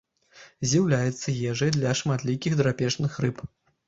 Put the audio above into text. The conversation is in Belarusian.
З'яўляецца ежай для шматлікіх драпежных рыб.